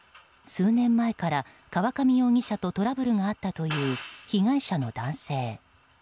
数年前から河上容疑者とトラブルがあったという被害者の男性。